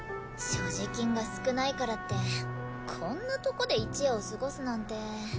所持金が少ないからってこんなとこで一夜を過ごすなんて。